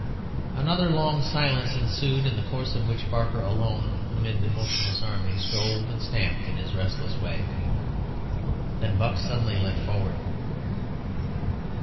Another long silence ensued, in the course of which Barker alone, amid the motionless army, strolled and stamped in his restless way. Then Buck suddenly leant forward.